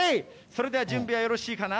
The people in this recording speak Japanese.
それでは準備はよろしいかな？